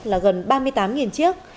là gần ba mươi tám chiếc